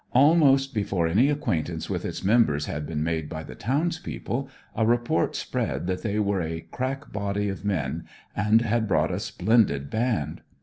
Almost before any acquaintance with its members had been made by the townspeople, a report spread that they were a 'crack' body of men, and had brought a splendid band.